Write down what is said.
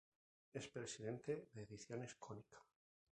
Es Presidenta de Ediciones Cónica.